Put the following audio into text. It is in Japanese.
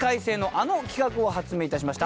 あの企画を発明致しました。